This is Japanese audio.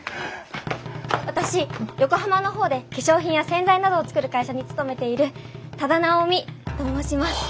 私横浜の方で化粧品や洗剤などを作る会社に勤めている多田直美と申します。